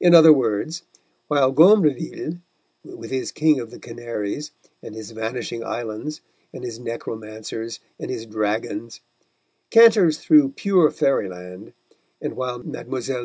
In other words, while Gombreville with his King of the Canaries, and his Vanishing Islands, and his necromancers, and his dragons canters through pure fairyland, and while Mlle.